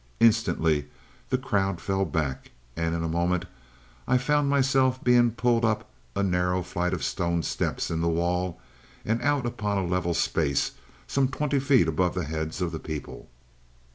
Instantly the crowd fell back, and in a moment I found myself being pulled up a narrow flight of stone steps in the wall and out upon a level space some twenty feet above the heads of the people.